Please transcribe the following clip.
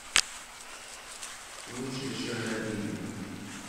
Ulac d acu ara d-inin.